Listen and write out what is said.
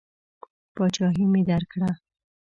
پاچهي مې درکړه.